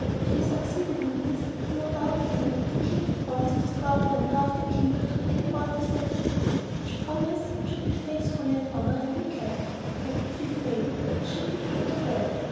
If he succeeded in this, he no doubt knew that the King had promised his daughter and half the kingdom to anyone who set her free, which promise should be faithfully and honourably kept, but if he failed he should be put to death.